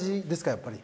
やっぱり。